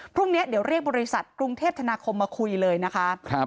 พรุ่งนี้เดี๋ยวเรียกบริษัทกรุงเทพธนาคมมาคุยเลยนะคะ